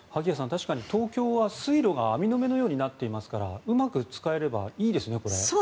確かに東京は、水路が網の目のようになっていますからうまく使えればいいですよね。